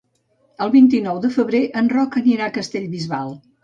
El vint-i-nou de febrer en Roc anirà a Castellbisbal.